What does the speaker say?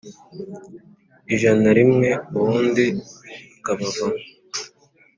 ijana rimwe ubundi akabavamo